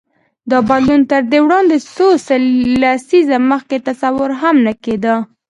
دا بدلون تر دې وړاندې څو لسیزې مخکې تصور هم نه کېده.